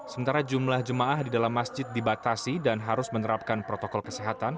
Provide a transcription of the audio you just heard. sementara jumlah jemaah di dalam masjid dibatasi dan harus menerapkan protokol kesehatan